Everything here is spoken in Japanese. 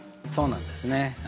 そうなんですね。